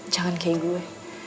jangan kayak gue